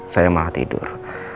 saya malah tidur